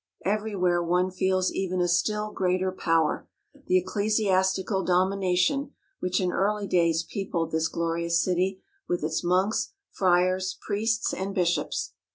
Everywhere one feels even a still greater power, the ecclesiastical domination, which in early days peopled this glorious city with its monks, friars, priests and bishops.